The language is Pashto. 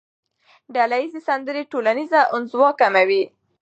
ډلهییزې سندرې ټولنیزه انزوا کموي.